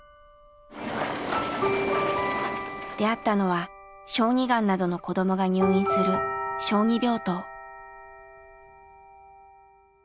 出会ったのは小児がんなどの子どもが入院する小児病棟。